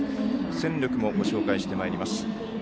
戦力もご紹介してまいります。